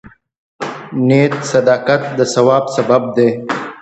د نیت صداقت د ثواب سبب دی.